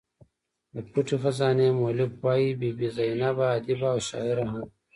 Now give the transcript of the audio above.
د پټې خزانې مولف وايي بي بي زینب ادیبه او شاعره هم وه.